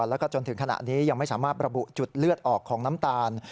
แล้วก็จนถึงขณะนี้ยังไม่สามารถระบุจุดเลือดออกของน้ำตาล